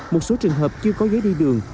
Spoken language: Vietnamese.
một số trường hợp chưa có giấy đi đường